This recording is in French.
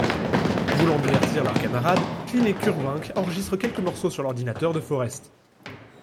Voulant divertir leurs camarades, Kline et Kurvink enregistrent quelques morceaux sur l'ordinateur de Forrest.